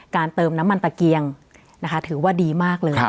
เติมน้ำมันตะเกียงนะคะถือว่าดีมากเลย